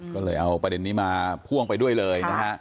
ก็เลยเอาประเด็นนี้มาพ่วงไปด้วยเลยนะฮะ